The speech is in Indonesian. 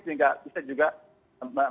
sehingga bisa juga menolak